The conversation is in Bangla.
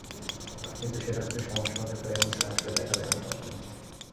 কিন্তু সেটা পেতে সমস্যা হতে পারে এমন সংশয় দেখা যায়নি কখনো।